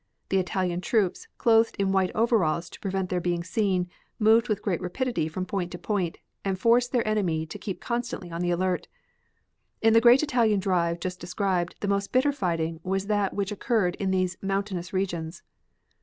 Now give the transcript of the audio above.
The Italian troops, clothed in white overalls to prevent their being seen, moved with great rapidity from point to point, and forced their enemy to keep constantly on the alert. In the great Italian drive just described the most bitter fighting was that which occurred in these mountainous regions.